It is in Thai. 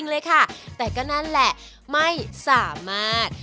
คุณผู้ชมจริงเลยค่ะแต่ก็นั่นแหละไม่สามารถ